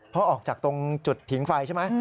เพราะออกจากตรงจุดผิงไฟใช่ไหม